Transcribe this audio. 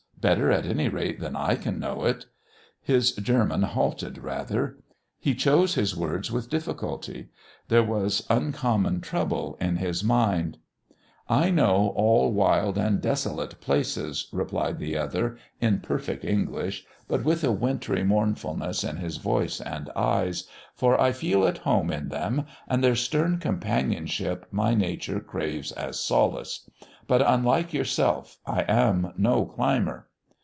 Better, at any rate, than I can know it?" His German halted rather. He chose his words with difficulty. There was uncommon trouble in his mind. "I know all wild and desolate places," replied the other, in perfect English, but with a wintry mournfulness in his voice and eyes, "for I feel at home in them, and their stern companionship my nature craves as solace. But, unlike yourself, I am no climber."